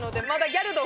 ギャル道